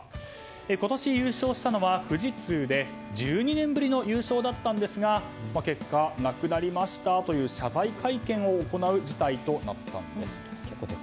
今年優勝したのは富士通で１２年ぶりの優勝だったんですが結果、なくなりましたという謝罪会見を行う事態となったんです。